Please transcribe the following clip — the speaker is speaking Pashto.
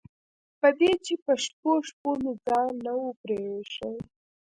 په دې چې په شپو شپو مې ځان نه و پرېښی.